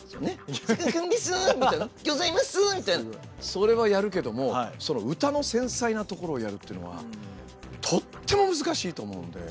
それはやるけどもその歌の繊細なところをやるっていうのはとっても難しいと思うんで。